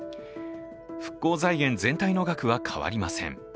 復興財源全体の額は変わりません。